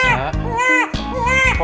pokok lo diam ya